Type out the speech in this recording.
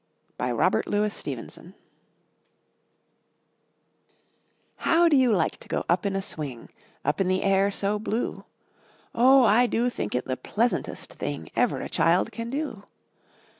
1 266 1 N THE NURSERY THE SWING How do you like to go up in a swing, Up in the air so blue? Oh, I do think it the pleasantest thing Ever a child can do!